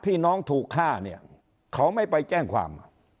น้องถูกฆ่าเนี่ยเขาไม่ไปแจ้งความ